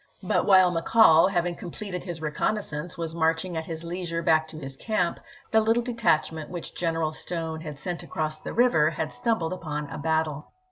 But while McCall, having completed his reconnaissance, was marching at his leisure back to his camp, the little detachment which General Stone had sent across the river had stumbled upon a battle.